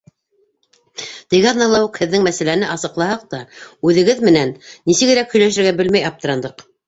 Теге аҙнала уҡ һеҙҙең мәсьәләне асыҡлаһаҡ та, үҙегеҙ менән нисегерәк һөйләшергә белмәй аптырандыҡ.